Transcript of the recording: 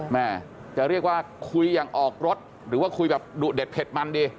แม่จะเรียกว่าคุยอย่างออกรถหรือว่าคุยแบบดุเด็ดเผ็ดมันดี